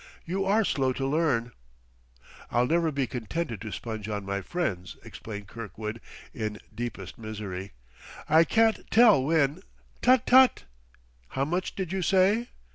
you are slow to learn." "I'll never be contented to sponge on my friends," explained Kirkwood in deepest misery. "I can't tell when " "Tut, tut! How much did you say?"